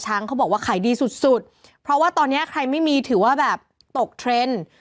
ยากใครไม่มีถือว่าตกเทรนด์